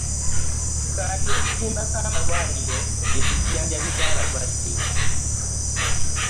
ettaka tulizimbako amalwaliro gyetujjanjabira abalwadde